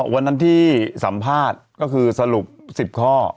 วันนั้นที่สัมภาษณ์ก็คือสรุป๑๐ข้อ